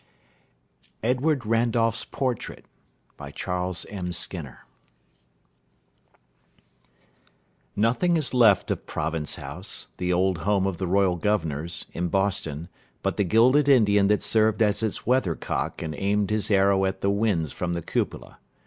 EDWARD RANDOLPH'S PORTRAIT Nothing is left of Province House, the old home of the royal governors, in Boston, but the gilded Indian that served as its weathercock and aimed his arrow at the winds from the cupola.